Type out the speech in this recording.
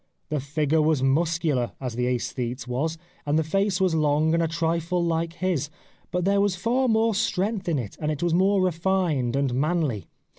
' The figure was muscular, as the aesthete's was, and the face was long and a trifle like his ; but there was far more strength in it, and it was more refined and manly.'